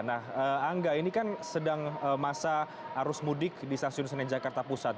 nah angga ini kan sedang masa arus mudik di stasiun senen jakarta pusat